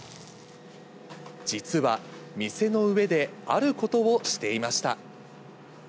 実は、店の上であることをしていました。